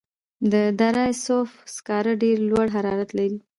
د دره صوف سکاره ډیر لوړ حرارت لري.